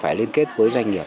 phải liên kết với doanh nghiệp